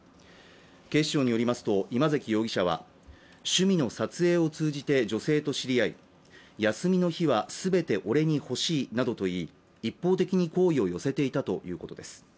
警視庁によりますと今関容疑者は趣味の撮影を通じて女性と知り合い休みの日は全て俺に欲しいなどと言い一方的に好意を寄せていたということです